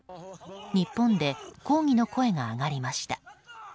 日本で抗議の声が上がりました。